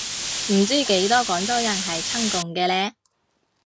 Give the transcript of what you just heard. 唔知幾多廣州人係親共嘅呢